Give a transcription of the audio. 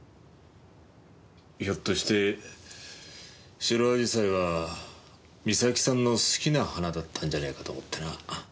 ひょっとして白紫陽花は美咲さんの好きな花だったんじゃないかと思ってな。